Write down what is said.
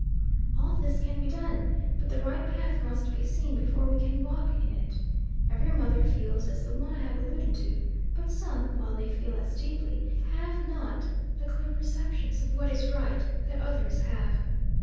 All this can be done. But the right path must be seen before we can walk in it. Every mother feels as the one I have alluded to; but some, while they feel as deeply, have not the clear perceptions of what is right that others have.